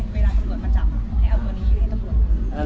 เวลาตำรวจมาจับให้เอาตัวนี้ให้ตำรวจ